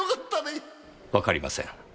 わかりません。